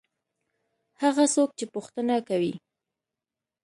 هغه څوک چې پوښتنه کوي.